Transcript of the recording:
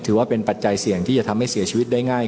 ถือว่าเป็นปัจจัยเสี่ยงที่จะทำให้เสียชีวิตได้ง่าย